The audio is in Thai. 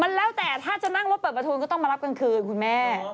แล้วแต่ถ้าจะนั่งรถเปิดประทูลก็ต้องมารับกลางคืนคุณแม่